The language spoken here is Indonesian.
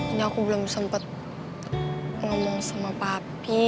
ini aku belum sempet ngomong sama papi